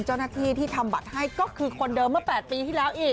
เจ้าหน้าที่ที่ทำบัตรให้ก็คือคนเดิมเมื่อ๘ปีที่แล้วอีก